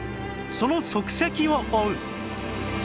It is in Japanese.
その足跡を追う